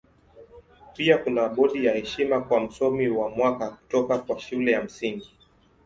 Pia kuna bodi ya heshima kwa Msomi wa Mwaka kutoka kwa Shule ya Msingi.